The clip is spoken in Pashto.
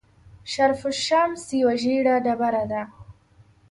شرف الشمس یوه ژیړه ډبره ده.